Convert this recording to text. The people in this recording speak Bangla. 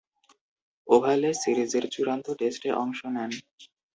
ওভালে সিরিজের চূড়ান্ত টেস্টে অংশ নেন।